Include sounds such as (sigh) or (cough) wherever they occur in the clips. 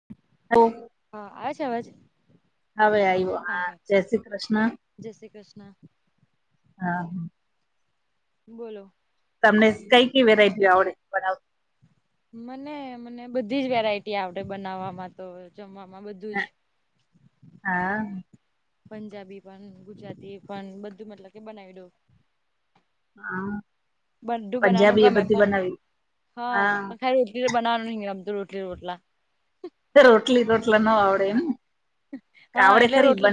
(inaudible) હ હા આવે છે અવાજ હવે આવ્યો હા જય શ્રી કૃષ્ણ જય શ્રી કૃષ્ણ હા બોલો. તમને કઈ કઈ વેરાયટી આવડે બનાવતા. મને મને બધી જ વેરાયટી આવડે બનાવવામાં તો જમવામાં બધું જ. હા. પંજાબી પણ ગુજરાતી પણ બધું મતલબ કે બનાવી દઉ હા બધું બનાવાનું પંજાબી એ ગમે બધી પણ બનાવી હા પણ ખરું ટ બનાવાનું રમ તો રોટલી રોટલા રોટલી રોટલા ન આવડે એ મ હા એટલે રોટલે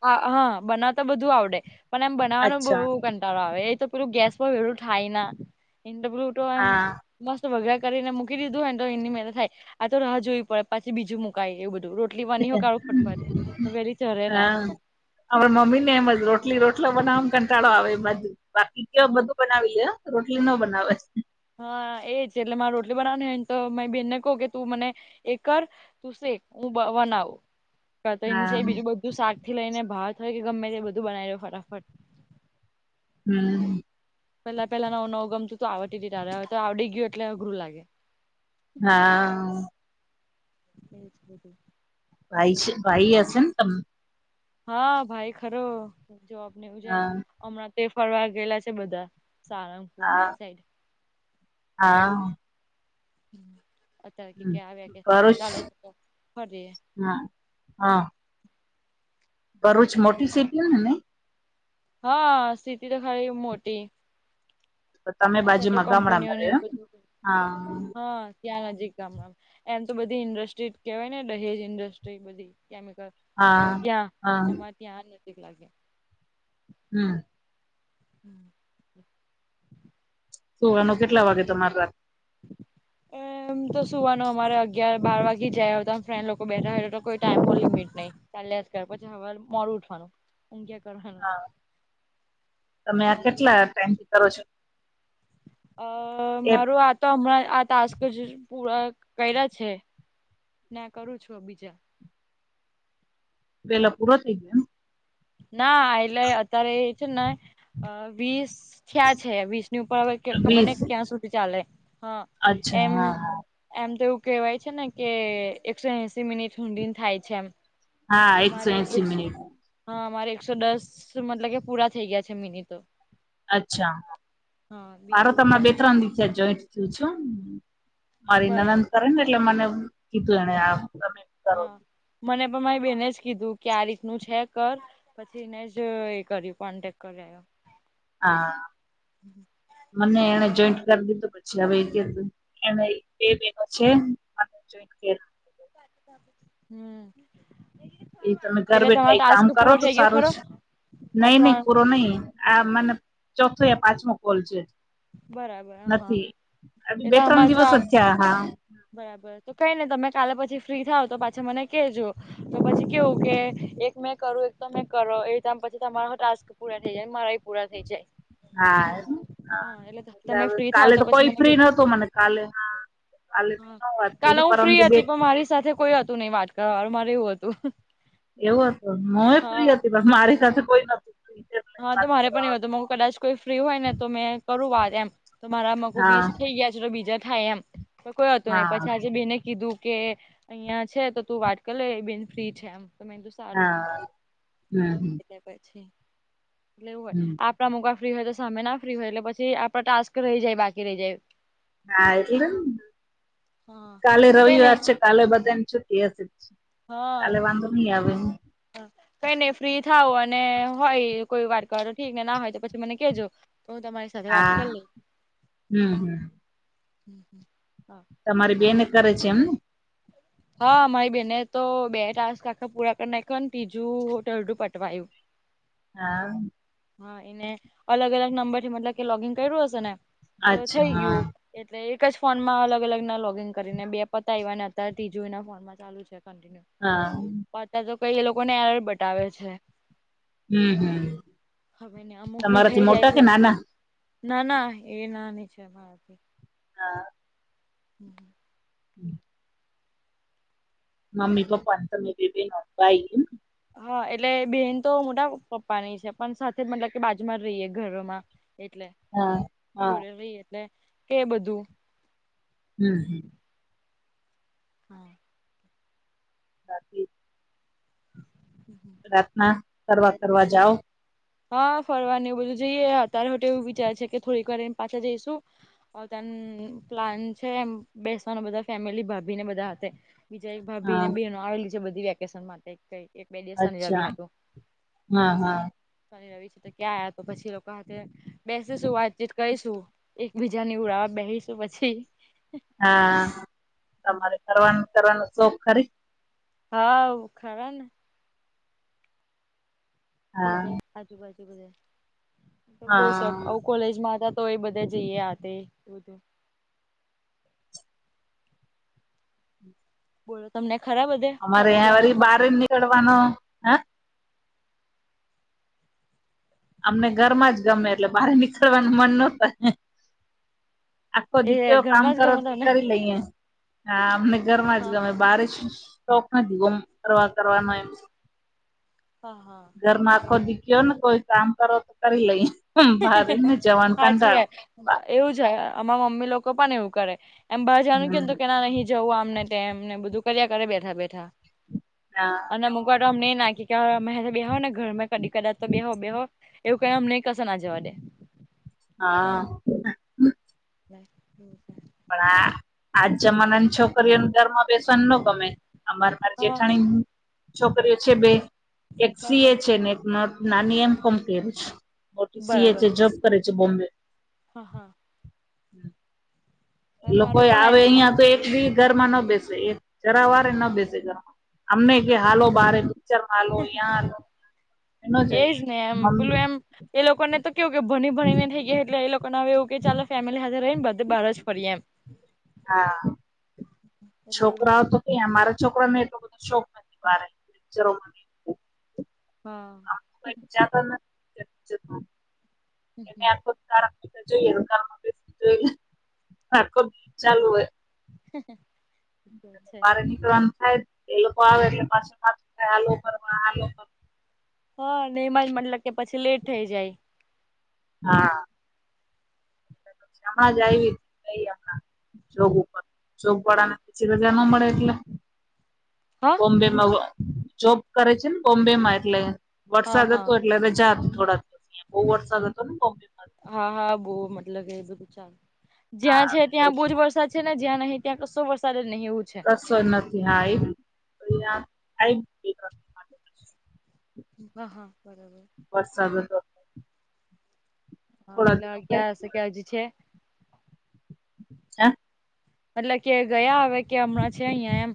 હા બનાવતા બધું આવડે. પણ એમ બનાવવાનું બહુ અચ્છા કંટાળો આવે એ તો બલું ગેસ પર હેડું થાય ના એ બલ તો આમ. હા મસ્ત વગા કરીને મૂકી દીધું હોને તો એની મહેનત થાય. આ તો રાહ જોવી પડે પછી બીજું મુકાય એવ બધું રો એટલી વાની હો કાુખ ફટપત વેલી ચરે ના. આપ મમ્મી ને એમજ રોટલી રોટલો બનાવવા કંટાળો આવે બાજ બાકી ક ના બધું બનાવીએે રોટલી ન બનાવે. હા એજ એટલે મારે રોટલી બનાવાનીને તો મારી બેન ને કહું કે તું મને એ કર. તું શેખ હું બનાવ. તો હા એની બીુંધું શાકથી લઈને બહાર થય કે ગમે તે એ બધું બનાવી લે ફટાફટ. હમ. પેલા પેલા નવુંવું ગમતું તો આવતીટય તો આવડી ગયું એટલે અઘરું લાગે. હા. એ છે. ભાઈ છે ભાઈ આ છે તમે. હા ભાઈ ખરો જવાબને એવું જાય. હા હમણાં તે ફરવા ગેલા છે બધા સારા હા હા. અત્યારે કે ક્યાં આવ્યા કે તને એવું ભરૂચ ચાલે છે ફરીએ. હા હ. ભરૂચ મોટી સિટી ઓને હા સિટી તો ખારિ મોટી. તો તમે આ સાઈડ તો બાજુમાં ગામડામાં કંપનીઓને એવું રહ્યો એમ બધું હા. હા ત્યાં નજીક ગામડા એમ તો બધી ઇન્ડસ્ટ્રી કેહેવાય ને દહેજ ઇન્ડસ્ટ્રી બધી કેમિકલ તો હા ત્યાં હા તમારે ત્યાં આ નજીક લાગે. હમ. (inaudible) સુવા ન કેટલા વાગે તમારે રાત. એમ તો સુવા ન અમારે અગિયાર બાર વાગે જયા ફ્રેન્ડ લોકો બેઠા તો કોઈ ટાઈમ ન લિમિટ નહીં. ચલે્યાસ કર પછી હવે મોરું ઉઠવાનું ઊંઘ્યા કરવાનું. હા તમે આ કેટલા ટાઈમથી કરો છો. અ એ મારું આ તો હમણાં આ તાસ્ત. જ પૂરા કર્યા છે ને કરું છું બીજા. પેલો પૂરો થઈ ગયો એમ. ના એલે અત્યારે એ છે ને વીસ. ક્યાં છે વીસની ઉપર હ એમ ખબર ને વીસ ક્યાં સુધી ચાલે હા અચ્છા એમ. હા હા એમ તો એવું કહેવાય છે ને કે એકસો એસી મિનિટ ઊડી થાય છે એમ. હા તો એકસો મારે એશ મનિટ. હા અમારે એકસો દસ મતલબ કે પૂરા થઈ ગયા છે મિનિ તો. અચ્છા મારો બીજું તમે બે ઉપરની ત્રણ દિ થ્યા જોઈન્ટ થયું છે. બાકી મારી નનંદ બરાબર કરે ને એટલે મને કીધું એને આ તમે. કરો હા મને પણ મારી બેને જ કીધું કે આ રીત નું છે કર. પછી એને જ એ કર્યું કોન્ટેક્ટ કરાયો. હા મને એને જોઈન્ટ. (unintelligible) પછી હવે એ કે બે બેનો છે અને જોઈ કેન હમ્મ. એ તમે ઘર બેઠા એ કામ કરો તો સારું ખરો છે આ નઈ નઈ ત્રણ પૂરો નઈ. આ મને ચોથો યા પાંચમો કોલ છે. બરાબર હા નથી હજી બે એટલે ત્રણ અમાર જો દિવસ આ થ્યાં હા. બરાબર તો કઈ નઈ તમે કાલે પછી ફ્રી થાવ તો પાછી મને કેજો. પછી કેવું કે એક મેં કરું એક તો મેં કરો એ પછી તમારો ટાસ્ક- પૂરા થઈ જાય મારા ય પૂરા થઈ જાય. હા એ હ હા એટલે તમે હવે ફ્રી થાવ કાલે તો પછી કોઈ મને ફ્રી કેજો નતું મને કાલે હા. કાલે મે ન વાત કાલે કરી હું પરમ ફ્રી દીદી હતી પણ મારી સાથે કોઈ હતું નઈ વાત કરવા વાળું મારે એવું હતું. એવુ હતું હું એ હા. ફ્રી હતી પણ મારી સાથે કોઈ નતું. ફ્રી એટલે હા તો વાત મારે પણ કરવા એવું હતું મુ કદાચ કોઈ ફ્રી હોય ને તો મેં કરું વાત એમ. તો મારા આમાં કો હા વીસ થઈ ગયા છે તો બીજા થાય એમ તો કોઈ હતું નહી હા પછી આજે બેને કીધું. કે અહિયાં છે, તો તું વાત કરી લે બેન ફ્રી છે એમ. તમે એ સારું હા હમ હમ એટલે પછી એટલે એવું હોય. હમ (inaudible) અમુક ફ્રી હોય તો સામે ના ફ્રી હોય એટલે પછી આપડે ટાસ્ક રહી જાય બાકી રહી જાય. હા એટલે ન હા કાલે કઈ નઈ રવિવાર છે. કાલે બધા ને છુટી હશે. હા. કાલે વાંધો ની આવે ન. હ કઈ નઈ ફ્રી થાવ અને હોય ઈ ને કોઈ વાર ઠીક ને ના હોય તો પછી મને કેજો. તો તમા હા હમ્મ હમ્મ. હમ્મ હમ્મ હા. (unintelligible) તમારી બેને કરે છે. એમને - હા અમારી બેને તો બે ટાસ્ક આખા પૂરા કરી નાખ્યો ને ત્રીજું ટરડું પટવાયું- (inaudible) હા હા એને અલગ અલગ નંબરથી મતલબ કે લોગિન કર્યું હશે ને તો અચ્છા થઈ હા ગયું. એટલે એક જ ફોનમાં અલગ અલગ ના લોગિન કરીને બે પતાવ્યા ને અત્યારે ત્રીજું એના ફોનમાં ચાલુ છે. હા (unintelligible) તો કઈ એ લોકોને બતાવે છે. હમ્મ હમ્મ હવે ને અમુક નું થઈ તમારાથી જાય મોટા છે કે નાના. ના ના એ નાની છે મારથી. હા. હમ્મ. (inaudible) મમ્મી પપ્પા તમે બે બેનો ભાઈ હે એમ. હા એટલે બેન તો મોટા પપ્પાની છે પણ સાથે જ મતલબ કે બાજૂ માં રહીએ ઘરમાં. એટલે હા હા જોડે રહી એટલે કે બધું- હમ્મ હ હા. બાકી (inaudible) પ્રાર્થના કરવા કરવા જાવ. હા ફરવાની એ બધું જઈએ અત્યારે તો એવું વિચાર છે કે થોડીક વાર રેય ને પાછા જઈશું. ત્યાં પ્લાન છે એ બેસવાનું બધા ફેમિલી ભાભીને બધાં હાતે- બીજા એક ભાભી હા ને બેનો આવેલી છે બધી વેકેશન માટે કેય- અચ્છા હા હા શનિ રવિ તો ક્યાં આવ્યા તો પછી લોકો સાથે બેસીશું વાતચીત કરીશું- એકબીજાની ઉળાવા બેહીશું પછી. હા તમારે એટલે કરવાનું કરવાનું શોખ ખરી- હા ખારા ને- હા બધે આજુબાજુ બધે બો શોખ હા આવ- કોલેજમાં હતા તો એ બધા જઈએ હાથે બોલો તમને ખરાબ અમારે અં વારી બહાર જ નીકળવાનો હ અમને ઘરમાં જ ગમે એટલે બહાર નીકળવાનું મન ન થાય. આખો એ (unintelligible) કામ ઘરમાં જ કરો ગમે ત તમને કરી લઈએ. હા અમને ઘરમાં જ હા ગમે હા બારીશ શોખ નથી ગમ ફરવા કરવાનો એમ હા હા ઘર માં આખો બરાબર દીખ્યો ને કોઈ કામ કરો તો કરી લઈ બારેને જવાનું હાચી કંંટાળ વાત એવું જાય અમા મમ્મી લોકો પણ એવું કરે એમ બહાર જવાનું કેમ હમ તો કેના નહીં જવું આમને તેમમ ને બધું કર્યા કરે બેઠા બેઠા. હા અને અમૂકવાર તો અમને નાં નાખી કે અમે બે હો ને ઘરમાં કદા તો બેવ બેહો એવું કયને અમને કસે ક્સેના જવાડે હા (unintelligible) પણ આ આજ જમાનાની છોકરીઓને ઘરમાં ફેશન ન ગમે અમા હા જેઠાણી છોકરીઓ છે બે એક હા સી. હા એ છે ને એક નટ નાની એમ કંપની મોટી સીએ બરાબર છે જોબ કરે છે બોમ્બે હા હા લોકો મારું પણ આવે એમ અહિયાં કોમર્સ તો એક બી ઘરમાં ન બેસે જરા વારે ન બેસે ઘર અમને કે હાલો બારે ચર આલો યાં લો અ ન એજ જઈએ ને એમ મમ્મી પેલું એમ એ લોકોને તો કેવું કે ભણી ભણી ને થઈ ગયા એટલે એ લોકોને હવે એવું કે ચાલલે ફેમિલી હાથે રહી ને બધા બાર જ ફરી એમ (inaudible) હા એટલે છોકરાઓ તો ક મારા છોકરાને એટલો બધો શોખ નથી બાર પિક્ચરોમાં હા (unintelligible) કારણ તો જોઈએ કાર (unintelligible) આખો ચાલુ હોય (inaudible) છે બાર નીકળવાનું થાય એ લોકો આવે એટલે પાછાલ (unintelligible) હા નેયમાં જ મતલબ કે પછી લેટ થઇ જાય. હા સમાજ આવી ગઈ હમણાં જોબ ઉપર જોબ વાળા ને પછી રજા ના મળે એટલે હા બોમ્બેમાં વ જોબ કરે છે ને બોમ્બેમાં એટલે હા વરસાદ હા હતો એટલે રજા થોડા દિવસ અયા બઉુ વરસાદ હતો મોમ્બે હા હા બહુ મતલબ એ બધું ચ જ્યાં હા છે. તો ત્યાં બોજ વરસાદ છે ને જ્યાં નહીં ત્યાં કશો વરસાદે નહીં એવું છે. રસ નથી હા એ હા હા બરોબર વરસાદ તો હા થોડા એટલે દિનો ક્યાં હશે કે હજી છે હા મતલબ કે ગયા આવે કે હમણાં છે અહિયાં એમ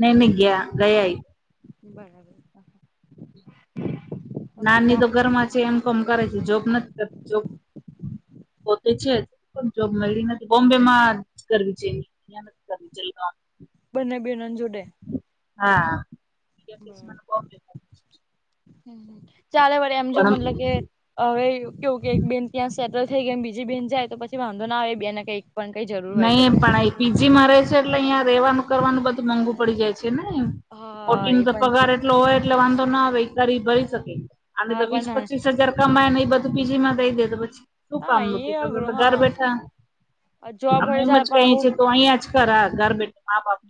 નૈ નની ગયા ગયાઈ બરાબર હ નાની તો ઘરમાં છે એમ કોમ કરે છે જોબ નથી કરતી જોબ પોતે છે જ પણ જોબ મળી નથી બોમ્બે માં કરવી છે મહેનત (unintelligible) બંને બહેનો જોડે હા હમ ચાલે વડ એમ જો પણ મતલબ કે હવે કેવું કે એક બેન ત્યાં સેટલ થઈ ગઈ બીજી બેન જાય તો પછી વાંધો ના આવે બે ને કંઈક નહી પણ આ પીજી માં રહે છે એટલે અહીં રેવાનું કરવાનું બધું મોંઘું પડી જાય છે ને હા પોટી ન એ તો પણ પગાર છે એટલો હોય એટલે વાંધો ના વતારી ભરી શકે આડી તો હા વીસ પણ પચીસ પા હજાર કમા ને એ બધું પીજી માં દઈ દે તો પછી શું કામ હા એ અઘરું નું ઘર હા બેઠા જોબ અમે હોય એમ ચાલ જ પણ કહી આવું છી તો અહિયાં જ કર ઘર બેઠા મા બાપ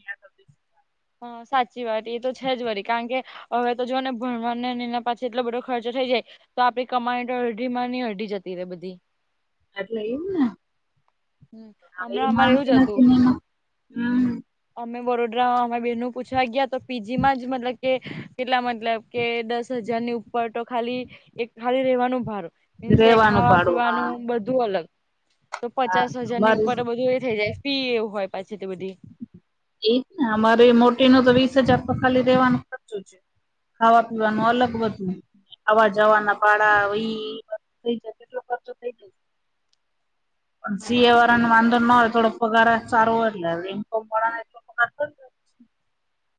હા સાચી વાત એ તો છે જ વરી કારણ કે હવે તો જો ને ભણવાને એના પાછ એટલો બધો ખર્ચો થઈ જાય તો આપડે કમાઈ તો અડઢડી માં નની અડઢી જતી રે બધી એટલે એમ ને હમ હવે એ હમણાં અમારે એવું માનતી જ હતું નથી ને એમાં હમ અમે વડદરામાં અમે બેન પૂછવા ગયા તો પીજી માં જ મતલબ કે કેટલા મતલબ કે દસ હજારની ઉપર તો ખાલી એક ખાલી રેવાનું ભારુ રેવાનું ખાવા ભાડું પીવાનું હા બધું અલગ તો હા પચાસ હજાર ની અમારે ઉપર બધું એ થઈ જાય ફી એવું હોય પાછી તે બધી એ જ ને અમારે મોટી નો તો વીસ હજાર તો ખાલી રેવાનો ખર્ચો છે ખાવા પીવાનું અલગ બધું આવા જવાના ભાડા ઈ જ કેટલો ખર્ચો થઈ જાય પણ હા એજ સીએ વાળા ને વાંધો નો આવે હોય થોડો પગાર જ સારું હોય એટલે નઈ તો પરાણે (inaudible)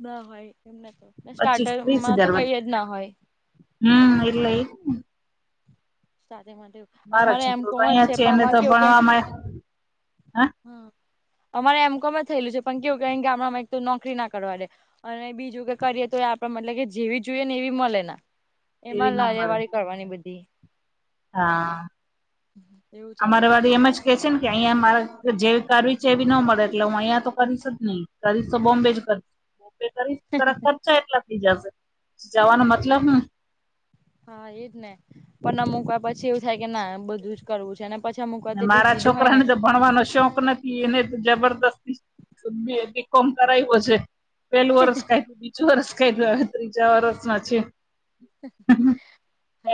ના હોય એમને તો પચીસ ત્રીસ સ્ટાર્ટરમાં તો હજાર કઈ જ ના હોય એટલે એ ઈજ ને મારો અમારે એમ છોકરો તો કોણ અહિયાં છે પણ એને અમારે તો કેવું કે ભણવામાં હા હ અમારે એમ કોમે થયેલું છે પણ કેવું ક ગામડા માં એક તો નોકરી ના કરવાડે. અને બીજું કે કરીએ તો આપડે મતલબ કે જેવી જોઈએ ને એવી મળે ના એવી એમાં ન લારીયા મળે વાળી કરવાની બધી હા એવું ચાલે અમારે બધું વાળી એમ જ કેહ છે કે અહિયા મારે જેવી કરવી છે એવી નો મળે એટલે હું અહી યા તો કરી જ હમ્મ કરીશ તો બોમ્બે જ કરી બોમ્બે કરીશ ખર્ચા એટલા થઈ જશે જવાનો મતલબ હુ હા એજ ને પણ ના મુૂકવા પછી એવું થાય કે ના બધું જ કરવું છે પાછી અમૂક વાર ને તો એટલી મારા જીડ હોય ને છોકરાને તો ભણવાનો શોખ નથી એને જબરદસ્તી બી કોમ કરાવ્યો છે પહેલું વરસ કર્યું બીચુ વરસ કર્યું હવે ત્રીજ વરસ મા છે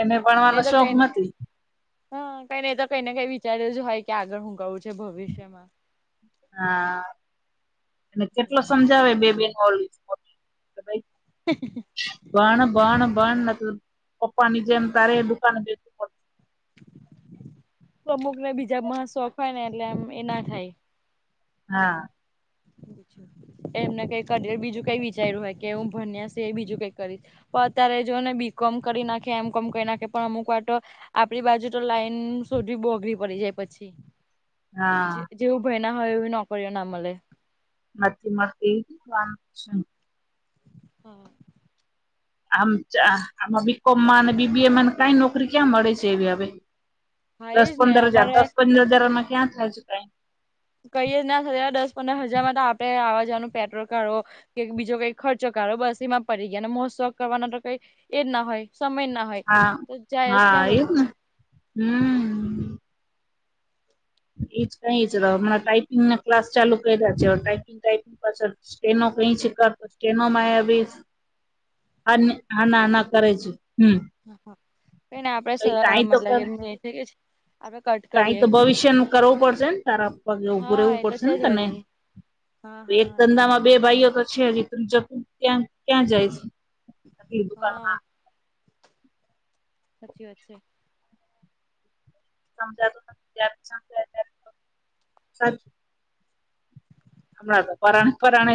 એને વાત એ ભણવાનો તો કઈ શોખ ની નથી હા કઈ ને એ તો કઈ ને કઈ વિચાર જ હોય કે આગળ હું કરવું છે ભવિષ્યમાં હા અને કેટલો સમજાવે બે બેનો ઓલી મોટી હ ભણ ભણ ભણ નઈ તો પપ્પા ની જેેમ તારે દુકાને બે અમુક ને બીજામાં શોખ હોય ને એટલે આમ એ ના થાય. હા એમને કઈ કેરિયર બીજું કઈ વિચાર્યું હોય કે હું ભન્યા છે એ બીજું કઈ કરીશ. તો અત્યારે જો ને બી કોમ કરી નાખે એમ કોમ કરી નાખે પણ અમુક વાર તો આપણી બાજુ તો લાઈન (unintelligible) પડી જાય પછી. હા જેવું ભય ના હોય એવી નોકરીઓ ના મળે. નથી મળતી (unintelligible) હા આમ આમાં બીકોમમાં અને બીબીએમાં કઈ નોકરી ક્યાં મળે છે એવી હવે હા દસ એજ ને પંદર હજાર અમારે દસ પંદર હજારમાં ક્યાં થાય છે. કઈ કઈએ જ ના થ દસ પંદર હજારમાં તો આપડે આવવા જવાનું પેટ્રોલ કરવો. કે બીજો કઈ ખર્ચો કરો બસ એમાં પડી ગયાને મોજ શોક કરવાનો તો કઈ એજ ના હોય સમય જ ના હોય. હા તો જાય જ હા ક્યાં એજ ને હમ એજ કઈ જ હણા ટાઈપિંગ ક્લાસ ચાલુ કર્યા છે ટાઈપિંગ ટાઈપિંગ પાછળ જ સ્ટ્રેનો કઈ છે, (unintelligible) સ્ટ્રેનો માં અભી (unintelligible) નાના કરે છે, હમ. (unintelligible) આપડે કઈ કાઈ મતલબ એમ (unintelligible) કે છે. કઈ તો ભવિષ્ય ન કરવું પડશે ને તારા પગે (unintelligible) હા રહેવું એ તો પડશે છે ને જ તને. વરી હા એક હા એ તો ધંધા છે માં જ બે ભાઈઓ તો છે, જે (unintelligible) ક્યાં ક્યાં જાય છે, હા દુકાનમાં. સાચી વાત છે. (inaudible) હમણા તો પરાણે પરાણે.